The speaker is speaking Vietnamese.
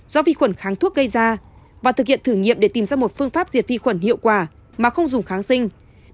do vi khuẩn kháng thuốc gây ra và thực hiện thử nghiệm để tìm ra một phương pháp diệt vi khuẩn hiệu quả mà không dùng kháng sinh